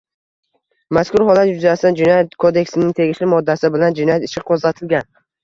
Mazkur holat yuzasidan Jinoyat kodeksining tegishli moddasi bilan jinoyat ishi qo‘zg‘atilgan